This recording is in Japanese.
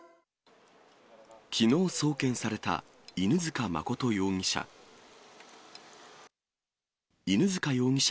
きのう送検された犬塚誠容疑者。